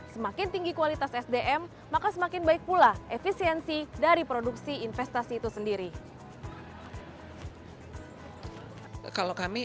semakin tinggi kualitas sdm maka semakin baik pula efisiensi dari produksi investasi itu sendiri